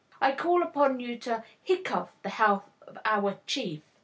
"I call upon you to hiccough the health of our chief."